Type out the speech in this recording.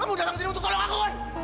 kamu datang kesini untuk tolong aku kan